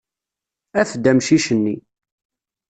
Af-d amcic-nni.